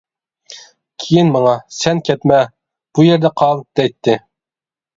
كىيىن ماڭا «سەن كەتمە، بۇ يەردە قال» دەيتتى.